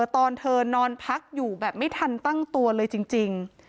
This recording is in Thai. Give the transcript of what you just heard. ตอนเธอนอนพักอยู่แบบไม่ทันตั้งตัวเลยจริง